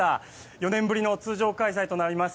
４年ぶりの通常開催となります